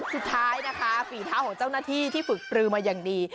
สุดท้ายนะคะฝีเท้าของเจ้าหน้าที่ที่ฝึกปลือมาอย่างดี